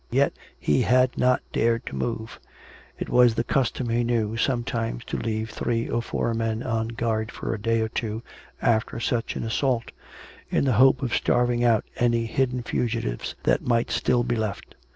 Yet he had not dared to move. It was the custom, he knew, sometimes to leave three or four men on guard for a day or two after such an assault, in the hope of starving out any hidden fugitives that might still be left.